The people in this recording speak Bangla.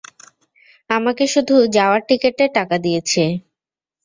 আমাকে শুধু যাওয়ার টিকেটের টাকা দিয়েছে।